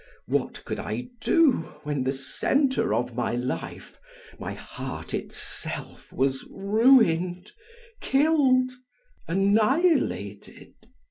What could I do when the center of my life, my heart itself, was ruined, killed, annihilated.